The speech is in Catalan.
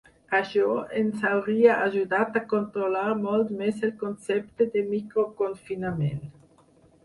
Això ens hauria ajudat a controlar molt més el concepte de microconfinament.